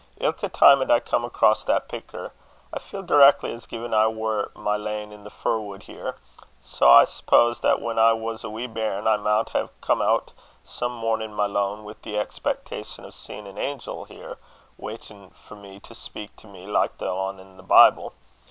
Ilka time 'at I come across that picter, I feel direckly as gin I war my lane in this fir wood here; sae I suppose that when I was a wee bairn, I maun hae come oot some mornin' my lane, wi' the expectation o' seein' an angel here waitin' for me, to speak to me like the ane i' the Bible.